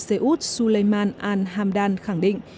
xê út suleyman al hamdan khẳng định